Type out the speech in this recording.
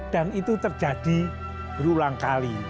dan itu terjadi berulang kali